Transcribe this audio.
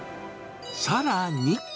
さらに。